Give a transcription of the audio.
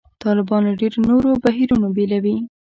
طالبان له ډېرو نورو بهیرونو بېلوي.